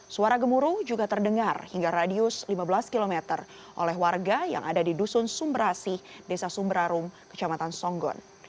suara gemuruh juga terdengar hingga radius lima belas km oleh warga yang ada di dusun sumberasi desa sumberarum kecamatan songgon